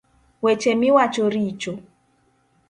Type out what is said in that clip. Weche miwacho richo